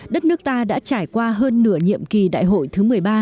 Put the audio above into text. đất nước ta đã trải qua hơn nửa nhiệm kỳ đại hội thứ một mươi ba